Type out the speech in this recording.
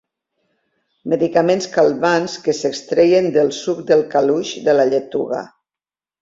Medicaments calmants que s'extreien del suc del caluix de la lletuga.